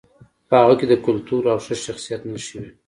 په هغې کې د کلتور او ښه شخصیت نښې وې